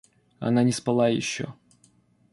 Она не спала еще.